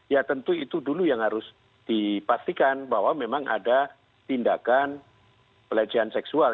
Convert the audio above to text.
ya tentu itu dulu yang harus dipastikan bahwa memang ada tindakan pelecehan seksual